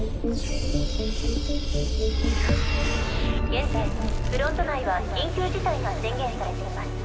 現在フロント内は緊急事態が宣言されています。